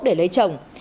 để lấy chồng